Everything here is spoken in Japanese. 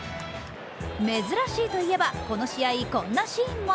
珍しいといえば、この試合、こんなシーンも。